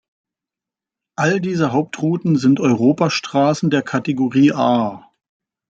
All diese Hauptrouten sind Europastraßen der "Kategorie A".